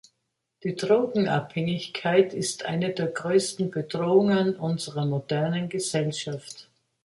Die Drogenabhängigkeit ist eine der größten Bedrohungen unserer modernen Gesellschaft.